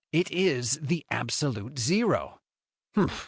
It is the absolute zero."